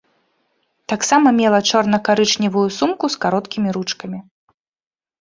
Таксама мела чорна-карычневую сумку з кароткімі ручкамі.